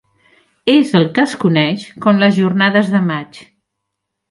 És el que es coneix com les Jornades de Maig.